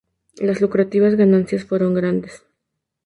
Las lucrativas ganancias fueron grandes.